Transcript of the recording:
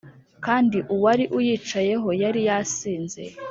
kandi uwari uyicayeho yari yasinze